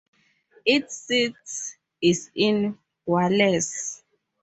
Its seat is in Wallers.